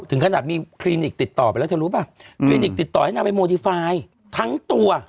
ถึงขนาดมีคลินิกติดต่อไปแล้วเธอรู้ป่ะคลินิกติดต่อให้นางไปโมดีไฟทั้งตัว